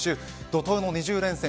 怒とうの２０連戦。